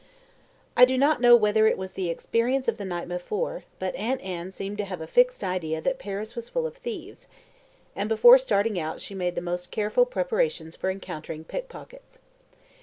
I do not know whether it was the experience of the night before, but Aunt Anne seemed to have a fixed idea that Paris was full of thieves, and before starting out she made the most careful preparations for encountering pickpockets.